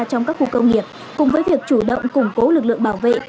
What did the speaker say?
trong các khu công nghiệp cùng với việc chủ động củng cố lực lượng bảo vệ